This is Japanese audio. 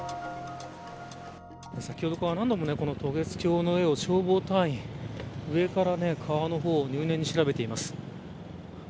先ほどから何度も渡月橋の上を消防隊員上から川の方を入念に調べています。